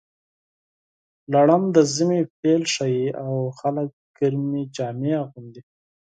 لړم د ژمي پیل ښيي، او خلک ګرمې جامې اغوندي.